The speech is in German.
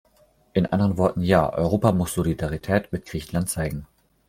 In anderen Worten "Ja", Europa muss Solidarität mit Griechenland zeigen.